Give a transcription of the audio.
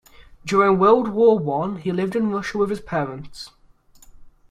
During World War One he lived in Russia with his parents.